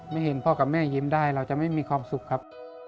เห็นพ่อกับแม่ยิ้มได้เราจะไม่มีความสุขครับ